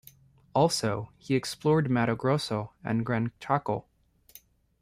Also, he explored Mato Grosso and Gran Chaco.